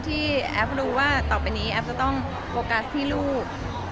แอฟรู้ว่าต่อไปนี้แอฟจะต้องโฟกัสที่ลูก